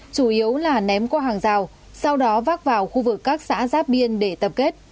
chủ yếu là ném qua hàng rào sau đó vác vào khu vực các xã giáp biên để tập kết